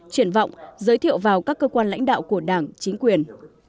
triển vọng giới thiệu vào các cơ quan lãnh đạo của đảng chính quyền